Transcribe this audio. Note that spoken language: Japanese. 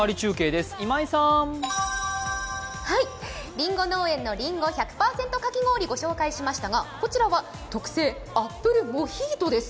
りんご農園のりんご１００％かき氷ご紹介しましたがこちらは特製アップルモヒートです。